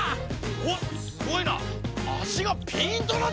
おっすごいな！